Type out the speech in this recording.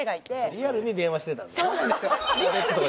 リアルに電話してたんだね。